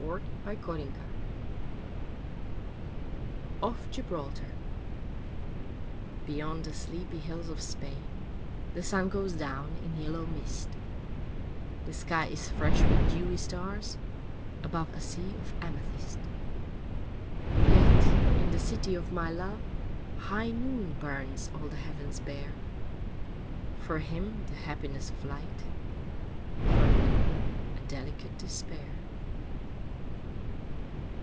VIGNETTES OVERSEAS I Off Gibraltar BEYOND the sleepy hills of Spain, The sun goes down in yellow mist, The sky is fresh with dewy stars Above a sea of amethyst. Yet in the city of my love High noon burns all the heavens bare For him the happiness of light, For me a delicate despair.